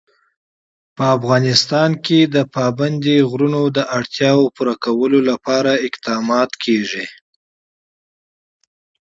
په افغانستان کې د پابندی غرونه د اړتیاوو پوره کولو لپاره اقدامات کېږي.